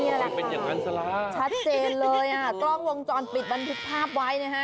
มันเป็นอย่างนั้นซะแล้วชัดเจนเลยอ่ะกล้องวงจรปิดบันทึกภาพไว้นะฮะ